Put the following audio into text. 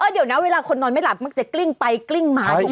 เดี๋ยวนะเวลาคนนอนไม่หลับมักจะกลิ้งไปกลิ้งมาถูก